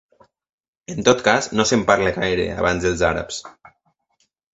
En tot cas, no se'n parla gaire abans dels àrabs.